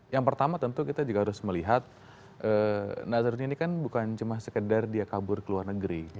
yang pertama tentu kita juga harus melihat nazarudin ini kan bukan cuma sekedar dia kabur ke luar negeri